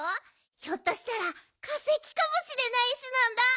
ひょっとしたらかせきかもしれない石なんだ。